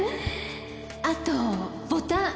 あとボタン。